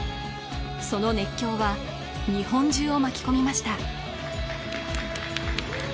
その熱狂は日本中を巻き込みました